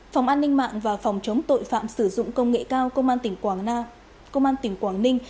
phòng an ninh mạng và phòng chống tội phạm sử dụng công nghệ cao công an tỉnh quảng ninh